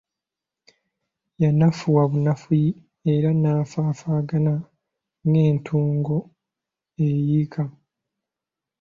Yanafuwa bunafuyi, era nafaafaagana ng'entungo eyiika.